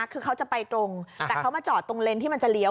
คือเขาจะไปตรงแต่เขามาจอดตรงเลนที่มันจะเลี้ย